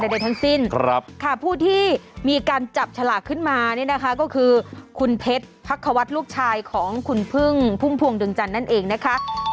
มาแล้วนะครับมาแล้วนะครับทุกท่านนะครับ